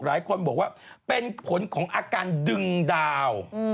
หลายคนบอกว่าเป็นผลของอาการดึงดาว